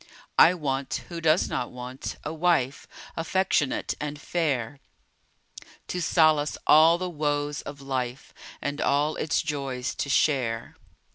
I want (who does not want?) a wife, Affectionate and fair; To solace all the woes of life, And all its joys to share.